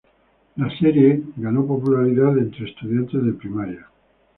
La serie ganó popularidad entre estudiantes de primaria.